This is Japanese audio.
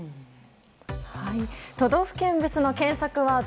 都道府県別の検索ワード